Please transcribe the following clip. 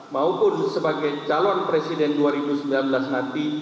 maupun sebagai calon presiden dua ribu sembilan belas nanti